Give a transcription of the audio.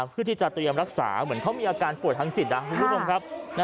เพื่อที่จะเตรียมรักษาเหมือนเขามีอาการป่วยทางจิตนะครับ